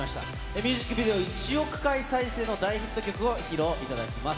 ミュージックビデオ１億回再生の大ヒット曲を披露いただきます。